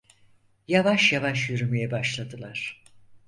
Yavaş yavaş yürümeye başladılar.